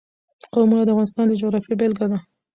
قومونه د افغانستان د جغرافیې بېلګه ده.